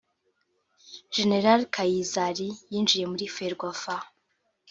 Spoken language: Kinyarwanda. Gen Kayizari yinjiye muri Ferwafa